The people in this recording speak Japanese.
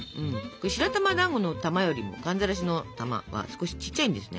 白玉だんごの玉よりも寒ざらしの玉は少しちっちゃいんですね。